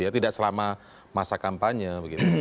tidak selama masa kampanye